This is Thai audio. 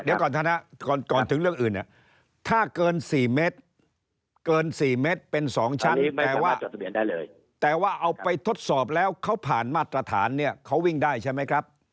เดี๋ยวก่อนนะก่อนถึงเรื่องอื่นเนี่ยถ้าเกิน๔เมตรเกิน๔เมตรเป็น๒ชั้นแต่ว่าเอาไปทดสอบแล้วเขาผ่านมาตรฐานเนี่ยเขาวิ่งได้ใช่ไหมครับ